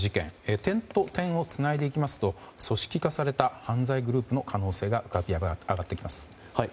点と点をつないでいきますと組織化された犯罪グループの可能性が浮かび上がってきます。